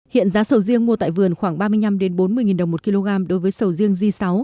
hiện giá sầu riêng mua tại vườn khoảng ba mươi năm bốn mươi đồng một kg đối với sầu riêng g sáu